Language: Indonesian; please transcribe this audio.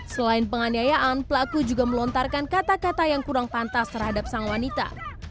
selain penganiayaan pelaku juga melontarkan kata kata yang kurang pantas terhadap sang wanita